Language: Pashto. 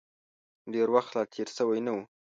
ډېر وخت لا تېر شوی نه و.